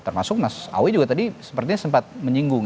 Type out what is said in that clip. termasuk mas awi juga tadi sepertinya sempat menyinggung